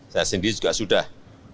saya sendiri juga sudah